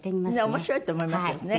面白いと思いますよね。